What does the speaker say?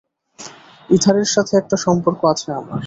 ইথারের সাথে একটা সম্পর্ক আছে আমার।